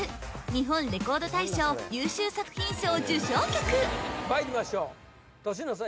日本レコード大賞優秀作品賞受賞曲まいりましょう年の差！